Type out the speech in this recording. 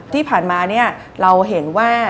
ที่ผ่านมาเนี่ยเราเห็นว่า